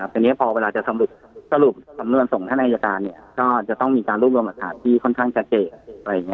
อย่างเนี้ยพอเวลาจะสำหรับสรุปสำนวนส่งท่านัยการเนี้ยก็จะต้องมีการรูปรวมรักษาที่ค่อนข้างชาเจกอะไรอย่างเงี้ย